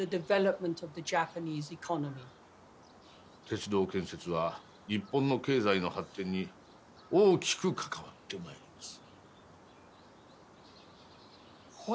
鉄道建設は日本の経済の発展に大きく関わってまいります。